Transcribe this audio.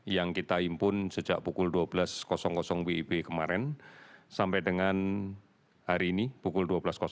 yang kita impun sejak pukul dua belas wib kemarin sampai dengan hari ini pukul dua belas